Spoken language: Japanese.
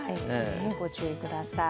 ご注意ください。